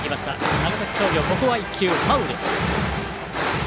長崎商業、ここは１球ファウル。